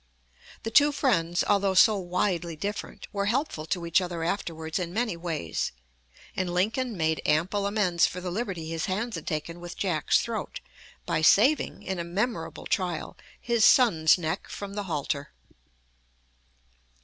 The two friends, although so widely different, were helpful to each other afterwards in many ways, and Lincoln made ample amends for the liberty his hands had taken with Jack's throat, by saving, in a memorable trial, his son's neck from the halter.